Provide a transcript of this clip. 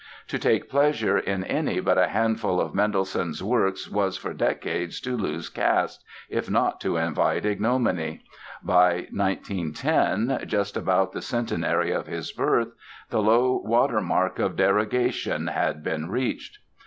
To take pleasure in any but a handful of Mendelssohn's works was for decades to lose caste, if not to invite ignominy. By 1910—just about the centenary of his birth—the low water mark of derogation had been reached.